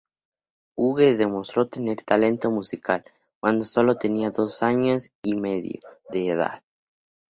Hughes demostró tener talento musical cuando solo tenía dos años y medio de edad.